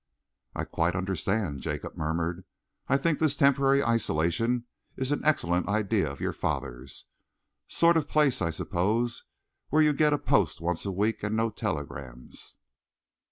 "I quite understand," Jacob murmured. "I think this temporary isolation is an excellent idea of your father's. Sort of place, I suppose, where you get a post once a week and no telegrams."